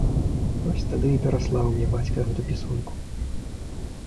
Тады вось і пераслаў мне бацька гэту пісульку.